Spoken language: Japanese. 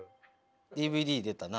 ＤＶＤ出たな。